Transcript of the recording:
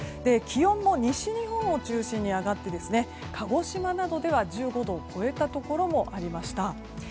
気温も西日本を中心に上がって鹿児島などでは１５度を超えたところもありました。